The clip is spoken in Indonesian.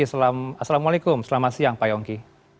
assalamualaikum selamat siang pak yongki